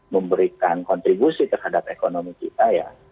memberikan kontribusi terhadap ekonomi kita ya